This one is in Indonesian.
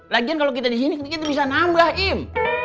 lagian kalo kita disini kebikin bisa nambah im